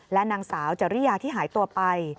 และนางสาวจริยาที่หายตัวไป